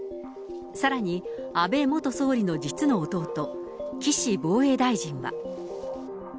さらに安倍元総理の実の弟、岸防衛大臣は。